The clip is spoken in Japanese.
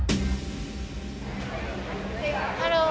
ハロー。